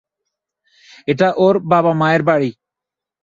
এটা ওর বাবা-মায়ের বাড়ি।